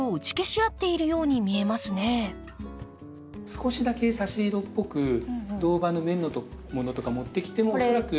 少しだけ差し色っぽく銅葉の面のものとか持ってきても恐らく。